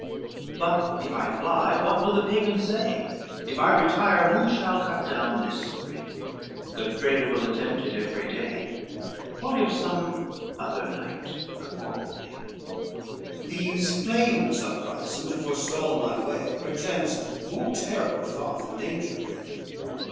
XXXV But if I fly, what will the Pagans say? If I retire, who shall cut down this spring? Godfredo will attempt it every day. What if some other knight perform the thing? These flames uprisen to forestall my way Perchance more terror far than danger bring.